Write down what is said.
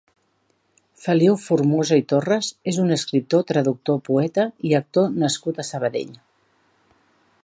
Feliu Formosa i Torres és un escriptor, traductor, poeta i actor nascut a Sabadell.